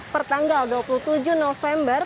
pertanggal dua puluh tujuh november